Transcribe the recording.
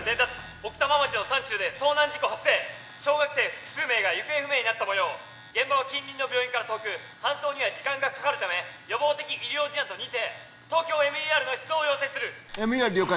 奥多摩町の山中で遭難事故発生小学生複数名が行方不明になったもよう現場は近隣の病院から遠く搬送には時間がかかるため予防的医療事案と認定ＴＯＫＹＯＭＥＲの出動を要請するＭＥＲ了解